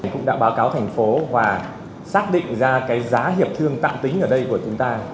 cũng đã báo cáo thành phố và xác định ra cái giá hiệp thương tạm tính ở đây của chúng ta